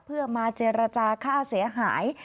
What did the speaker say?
เพื่อมาเจรจาค่าเสียหาย